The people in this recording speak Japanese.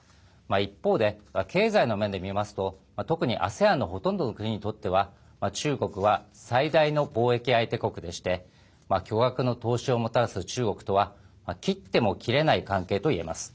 一方で、経済の面で見ますと特にＡＳＥＡＮのほとんどの国にとっては中国は最大の貿易相手国でして巨額の投資をもたらす中国とは切っても切れない関係といえます。